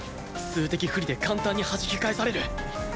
数的不利で簡単にはじき返される